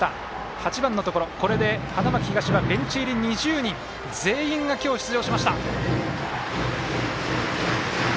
８番のところ、これで花巻東はベンチ入り２０人全員が今日、出場しました。